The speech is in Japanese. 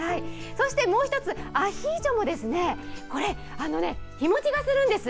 そして、もう１つアヒージョも日もちするんです。